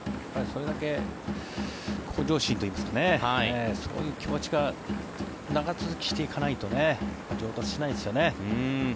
それだけ向上心といいますかそういう気持ちが長続きしていかないと上達しないですよね。